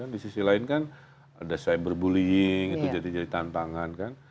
di sisi lain kan ada cyberbullying itu jadi jadi tantangan kan